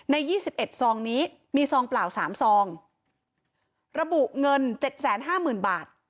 ยี่สิบเอ็ดซองนี้มีซองเปล่าสามซองระบุเงินเจ็ดแสนห้าหมื่นบาท